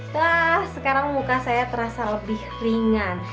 wah sekarang muka saya terasa lebih ringan